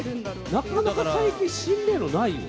なかなか最近、心霊のないよ。